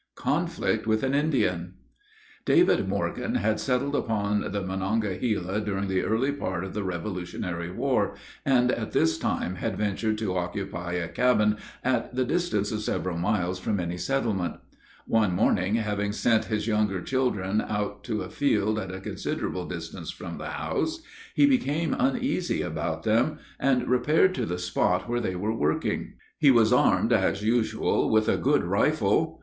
CONFLICT WITH AN INDIAN. David Morgan had settled upon the Monongahela during the early part of the revolutionary war, and at this time had ventured to occupy a cabin at the distance of several miles from any settlement. One morning, having sent his younger children out to a field at a considerable distance from the house, he became uneasy about them, and repaired to the spot where they were working. He was armed, as usual, with a good rifle.